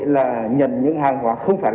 là nhận những hàng không phải là